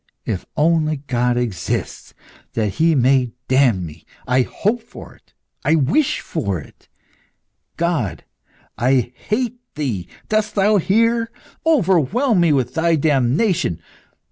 If only God exists, that he may damn me. I hope for it I wish it. God, I hate Thee dost Thou hear? Overwhelm me with Thy damnation.